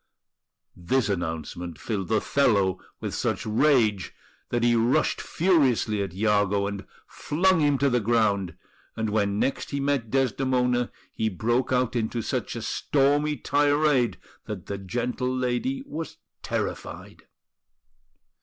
This announcement filled Othello with such rage that he rushed furiously at Iago, and flung him to the ground; and when next he met Desdemona he broke out into such a stormy tirade that the gentle lady was terrified.